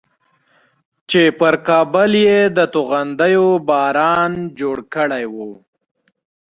چې پر کابل یې د توغندیو باران جوړ کړی و.